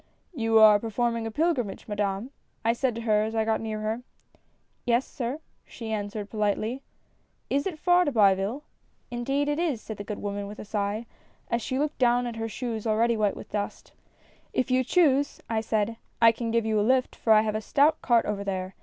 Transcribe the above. "'You are performing a pilgrimage, Madame?' I said to her as I got near her. "' Yes, sir,' she answered, politely. "' Is it far to Biville ?'"' Indeed it is,' said the good woman, with a sigh, as she looked down at her shoes already white with dust. "' If you choose,' I said, ' I can give you a lift, for I have a stout cart over there.